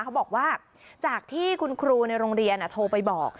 เขาบอกว่าจากที่คุณครูในโรงเรียนโทรไปบอก